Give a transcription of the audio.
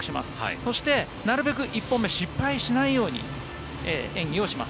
そしてなるべく１本目失敗しないように演技をします。